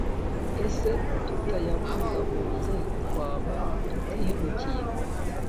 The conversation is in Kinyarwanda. ese tutayabungabunze twaba tutihemukiye?